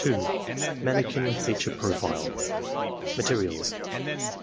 — Manikin and Feature Profile Materials.